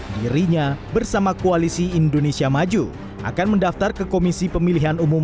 dirinya bersama koalisi indonesia maju akan mendaftar ke komisi pemilihan umum